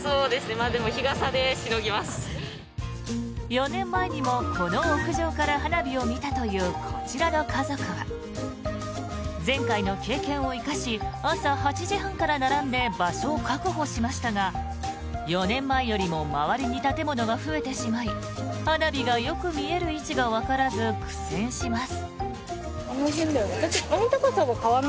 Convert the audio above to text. ４年前にもこの屋上から花火を見たというこちらの家族は前回の経験を生かし朝８時半から並んで場所を確保しましたが４年前よりも周りに建物が増えてしまい花火がよく見える位置がわからず苦戦します。